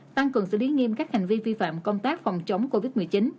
tăng cường xử lý nghiêm các hành vi vi phạm công tác phòng chống covid một mươi chín